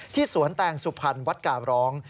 ที่สวนแต่งสุพรรณวัดกาลอง